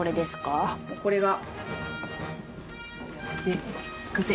これが。